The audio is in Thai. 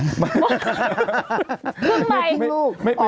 ครึ่งใบ